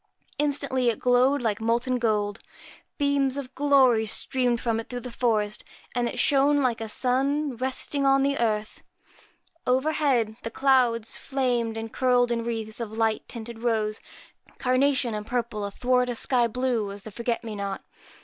Instantly it glowed like molten gold, beams of glory streamed from it through the forest, and it shone like a sun resting on the earth. Overhead, the clouds flamed and curled in wreaths of light tinted rose, carnation, and purple, athwart a sky blue as the forget me not.